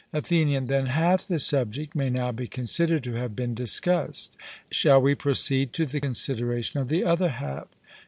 ATHENIAN: Then half the subject may now be considered to have been discussed; shall we proceed to the consideration of the other half?